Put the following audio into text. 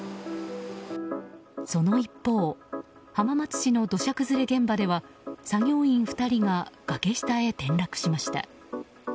その一方浜松市の土砂崩れ現場では作業員２人が崖下へ転落しました。